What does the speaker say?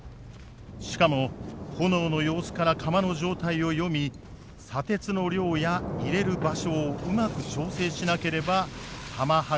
しかも炎の様子から釜の状態を読み砂鉄の量や入れる場所をうまく調整しなければ玉鋼は出来ない。